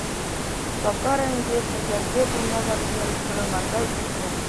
Куславкка районӗнчи Тӗмшерте пурӑнакансем пӑшарханса ӳкнӗ.